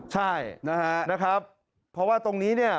ใช่นะครับเพราะว่าตรงนี้เนี่ย